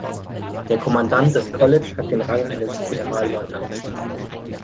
Der Kommandant des College hat den Rang eines Generalleutnants.